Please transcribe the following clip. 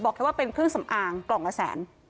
บอกแค่ว่าเครื่องสำอางกล่องละ๑๐๐๐๐๐